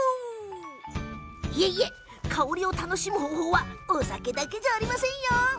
香りを楽しむ方法はお酒だけじゃありません。